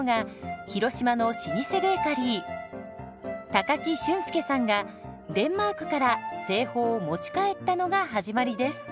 高木俊介さんがデンマークから製法を持ち帰ったのが始まりです。